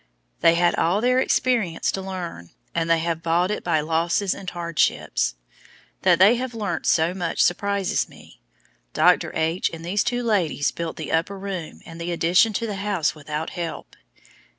They had all their experience to learn, and they have bought it by losses and hardships. That they have learnt so much surprises me. Dr. H. and these two ladies built the upper room and the addition to the house without help.